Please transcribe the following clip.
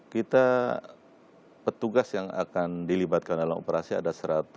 kita petugas yang akan dilibatkan dalam operasi ada satu ratus lima puluh lima satu ratus enam puluh lima